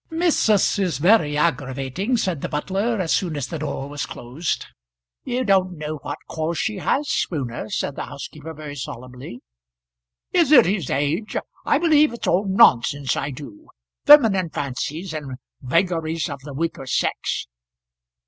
"Missus is very aggravating," said the butler, as soon as the door was closed. "You don't know what cause she has, Spooner," said the housekeeper very solemnly. "Is it at his age? I believe it's all nonsense, I do; feminine fancies, and vagaries of the weaker sex."